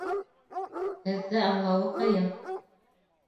Һеҙҙе аңлауы ҡыйын.